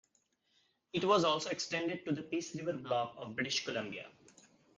It was also extended to the Peace River Block of British Columbia.